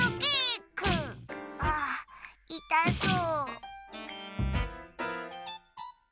ああいたそう。